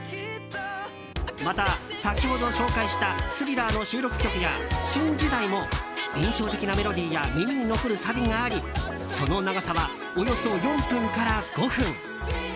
また、先ほど紹介した「スリラー」の収録曲や「新時代」も印象的なメロディーや耳に残るサビがありその長さは、およそ４分から５分。